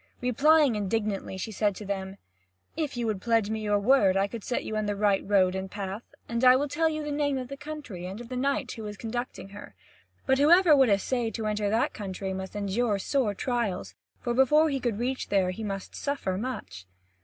Replying intelligently, she said to them: "If you would pledge me your word, I could set you on the right road and path, and I would tell you the name of the country and of the knight who is conducting her; but whoever would essay to enter that country must endure sore trials, for before he could reach there he must suffer much."